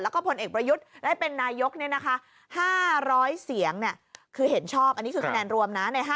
แล้วก็ผลเอกประยุทธ์ได้เป็นนายก๕๐๐เสียงคือเห็นชอบอันนี้คือคะแนนรวมนะ